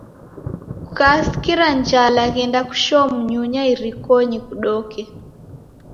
Kukaskira njala ghenda kushoo Munyunya irikonyi kudoke.